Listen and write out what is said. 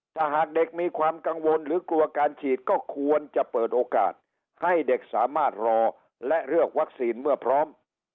ถ้าหากเด็กมีความกังวลหรือกลัวการฉีดก็ควรจะเปิดโอกาสให้เด็กสามารถรอและเลือกวัคซีนเมื่อพร้อม